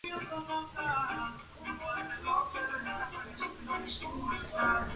Estudió antropología en University College, Londres.